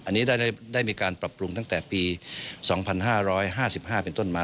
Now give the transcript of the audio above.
อันนี้ได้มีการปรับปรุงตั้งแต่ปี๒๕๕๕เป็นต้นมา